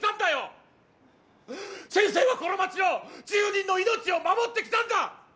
先生はこの町の住民の命を守ってきたんだ！